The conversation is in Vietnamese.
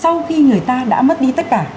sau khi người ta đã mất đi tất cả